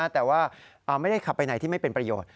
แต่ว่าไม่ได้ขับไปไหนที่ไม่เป็นประโยชน์